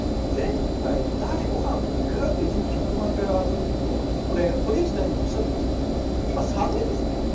前回の第５波の時にグッと１日１００万回に上がった時とこれ、堀内大臣もおっしゃっていますけど今、寒いですね。